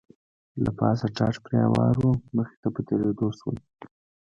له پاسه ټاټ پرې هوار و، مخې ته په تېرېدو شول.